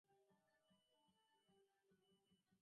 তথাপি সে সবকিছু জানিতে পারে না।